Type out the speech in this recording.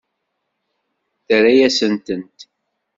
Terra-yasent-tent.